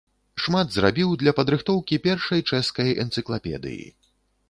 Шмат зрабіў для падрыхтоўкі першай чэшскай энцыклапедыі.